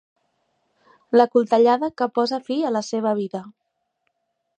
La coltellada que posa fi a la seva vida.